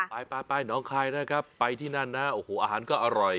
ไปไปหนองคายนะครับไปที่นั่นนะโอ้โหอาหารก็อร่อย